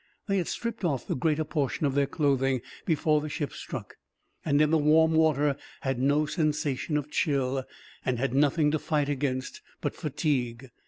They had stripped off the greater portion of their clothing, before the ship struck; and in the warm water had no sensation of chill, and had nothing to fight against, but fatigue.